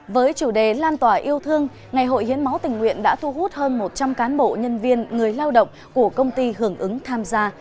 với chủ đề lan tỏa yêu thương ngày hội hiến máu tình nguyện đã thu hút hơn một trăm linh cán bộ nhân viên người lao động của công ty hưởng ứng tham gia